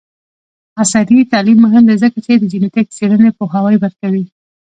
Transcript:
عصري تعلیم مهم دی ځکه چې د جینیټک څیړنې پوهاوی ورکوي.